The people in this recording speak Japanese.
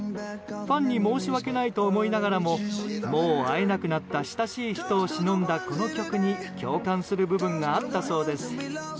ファンに申し訳ないと思いながらももう会えなくなった親しい人をしのんだこの曲に共感する部分があったそうです。